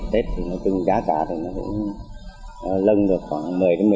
tết thì nó cưng đá cả thì nó cũng lưng được khoảng một mươi một mươi năm